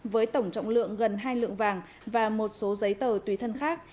với tổng trọng lượng gần hai lượng vàng và một số giấy tờ tùy thân khác